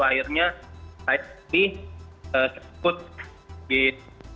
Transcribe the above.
akhirnya saya jadi kekut